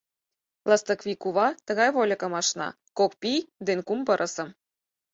Ластыквий кува тыгай вольыкым ашна: кок пий ден кум пырысым.